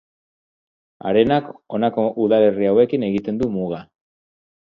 Arenak honako udalerri hauekin egiten du muga.